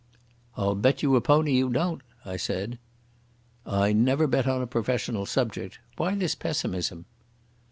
"I'll bet you a pony you don't," I said. "I never bet on a professional subject. Why this pessimism?"